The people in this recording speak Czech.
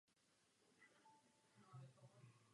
Ze stromu zničeho nic spadla hromada sněhu.